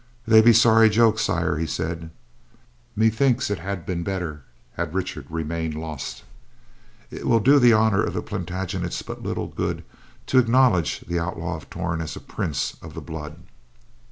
"They be sorry jokes, Sire," he said. "Methinks it had been better had Richard remained lost. It will do the honor of the Plantagenets but little good to acknowledge the Outlaw of Torn as a prince of the blood."